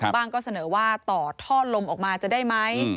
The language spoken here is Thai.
ก็เสนอว่าต่อท่อลมออกมาจะได้ไหม